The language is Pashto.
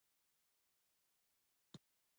د مېوې ونې ځانګړې پاملرنه غواړي.